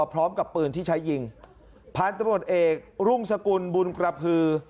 พร้อมกับปืนที่ใช้ยิงพันธุ์ตำรวจเอกรุ่งสกุลบุญกระพือ